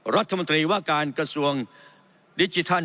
รัฐมนตรีว่าการกระทรวงดิจิทัล